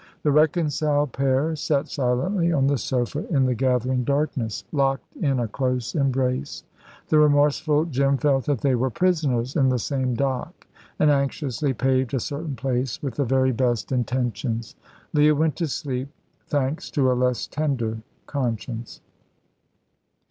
The reconciled pair sat silently on the sofa in the gathering darkness, locked in a close embrace. The remorseful Jim felt that they were prisoners in the same dock, and anxiously paved a certain place with the very best intentions. Leah went to sleep, thanks to a less tender conscience.